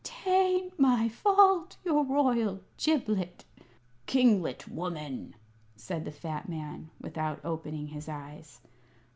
"'T ain't my fault, your royal giblet " "Kinglet, woman!" said the fat man, without opening his eyes.